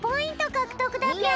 かくとくだぴょん！